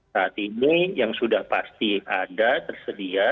saat ini yang sudah pasti ada tersedia